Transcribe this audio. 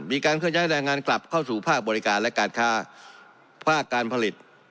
เคลื่อย้ายแรงงานกลับเข้าสู่ภาคบริการและการค้าภาคการผลิต